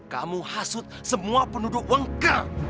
kamu hasut semua penduduk wengkang